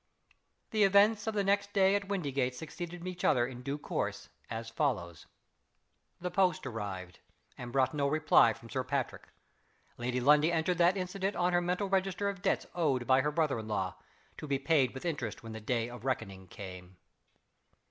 The events of the next day at Windygates succeeded each other in due course, as follows: The post arrived, and brought no reply from Sir Patrick. Lady Lundie entered that incident on her mental register of debts owed by her brother in law to be paid, with interest, when the day of reckoning came.